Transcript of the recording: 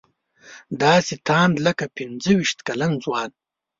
داسې تاند لکه د پنځه ویشت کلن ځوان.